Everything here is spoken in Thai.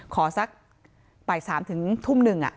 ขอสักปล่อย๓ถึงทุ่มหนึ่งอ่ะ